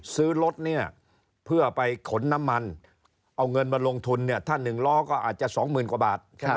ซื้อลดเพื่อไปขนน้ำมันเอาเงินมาลงทุนถ้าหนึ่งล้อก็อาจจะสองหมื่นกว่าบาท